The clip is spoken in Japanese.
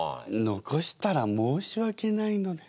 残したら申し訳ないので。